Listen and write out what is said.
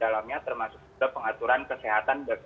dalamnya termasuk juga pengaturan kesehatan dan perkembangan